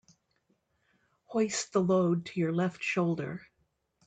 Hoist the load to your left shoulder.